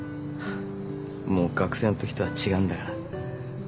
もう学生のときとは違うんだから。